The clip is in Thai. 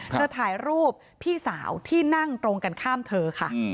เธอถ่ายรูปพี่สาวที่นั่งตรงกันข้ามเธอค่ะ